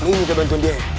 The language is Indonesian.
lu minta bantuan dia ya